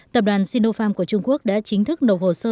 tập đoàn sinopharm của trung quốc đã chính thức nộp hồ sơ